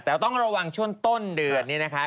แต่ต้องระวังช่วงต้นเดือนนี้นะคะ